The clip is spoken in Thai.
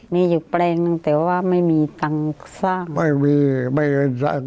มีอยู่แปลงนึงแต่ว่าไม่มีเงินสร้าง